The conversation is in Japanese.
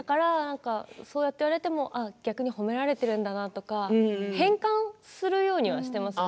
そう言われても逆に褒められているんだなとか変換するようにしています。